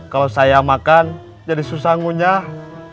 kalau saya makan jadi susah ngunyah